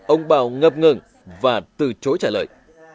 ông bảo ngập ngừng và từ chối trả lời